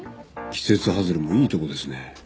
季節外れもいいとこですね。